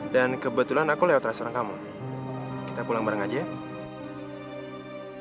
dan kebetulan aku lewat restoran kamu kita pulang bareng aja ya